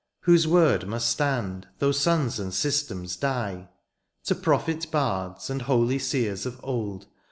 Whose wordmuststandthough suns and systems die. To prophet bards and holy seers of old.